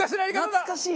懐かしい！